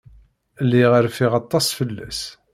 Lliɣ rfiɣ aṭas fell-as.